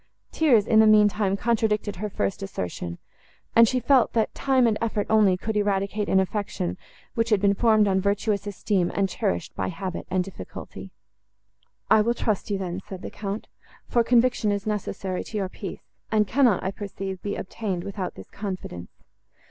Tears, in the mean time, contradicted her first assertion; and she felt, that time and effort only could eradicate an affection, which had been formed on virtuous esteem, and cherished by habit and difficulty. "I will trust you then," said the Count, "for conviction is necessary to your peace, and cannot, I perceive, be obtained, without this confidence.